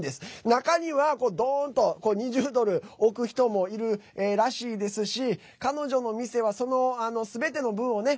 中にはドーンと２０ドル置く人もいるらしいですし彼女の店はそのすべての分をね